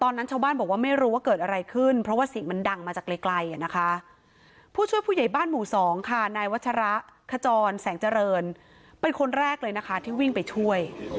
ขจรแสงเจริญเป็นคนแรกเลยนะคะที่วิ่งไปช่วย